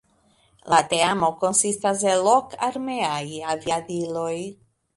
La teamo konsistas el ok armeaj aviadiloj.